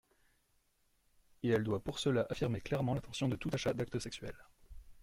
Et elle doit pour cela affirmer clairement l’interdiction de tout achat d’acte sexuel.